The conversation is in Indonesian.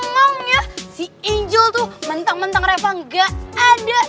maunya si angel tuh mentang mentang reva gak ada